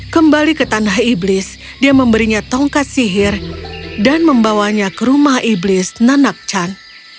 kembali ke tanah iblis dia memberinya tongkat sihir dan membawanya ke rumah iblis nanak chan